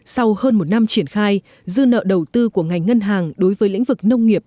sau hơn một năm triển khai dư nợ đầu tư của ngành ngân hàng đối với lĩnh vực nông nghiệp